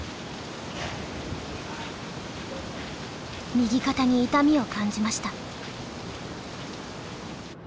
右肩に痛みを感じました。